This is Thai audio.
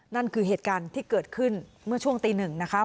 นั่นคือเหตุการณ์ที่เกิดขึ้นเมื่อช่วงตีหนึ่งนะคะ